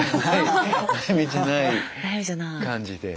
悩みじゃない感じで。